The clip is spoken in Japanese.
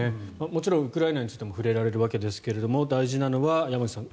もちろんウクライナについても触れられるわけですが大事なのは山口さん